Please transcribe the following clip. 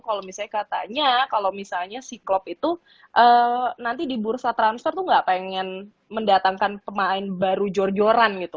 kalau misalnya katanya kalau misalnya si klop itu nanti di bursa transfer tuh gak pengen mendatangkan pemain baru jor joran gitu